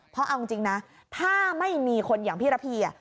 เพราะเอาจริงนะถ้าไม่มีคนอย่างพี่ระพี